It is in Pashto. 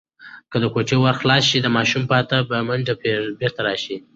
که د کوټې ور خلاص شي، ماشوم به په منډه بیرته راشي.